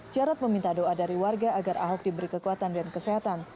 jarod meminta doa dari warga agar ahok diberi kekuatan dan kesehatan